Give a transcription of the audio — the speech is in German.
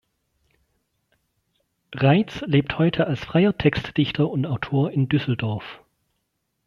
Reitz lebt heute als freier Textdichter und Autor in Düsseldorf.